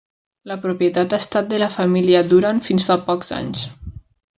La propietat ha estat de la família Duran fins fa pocs anys.